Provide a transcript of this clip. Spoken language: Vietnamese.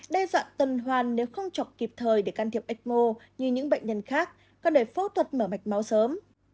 đe dọa tần hoàn nếu không chọc kịp thời để can thiệp ecmo như những bệnh nhân khác còn để phẫu thuật mở mạch máu sớm